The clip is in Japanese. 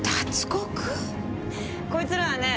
こいつらはね